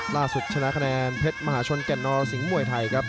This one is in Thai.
ชนะคะแนนเพชรมหาชนแก่นนอสิงหมวยไทยครับ